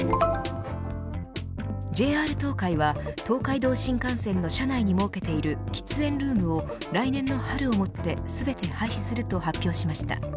ＪＲ東海は東海道新幹線の車内に設けている喫煙ルームを、来年の春をもって全て廃止すると発表しました。